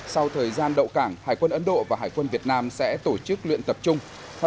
sau thời gian đậu cảng hải quân ấn độ và hải quân việt nam sẽ tổ chức luyện tập trung